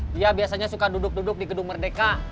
dia biasanya suka duduk duduk di gedung merdeka